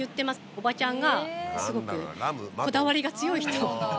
おばちゃんがすごくこだわりが強い人。